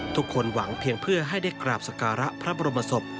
ทุกคนหวังเพียงเพื่อให้ได้กราบสการะพระบรมศพ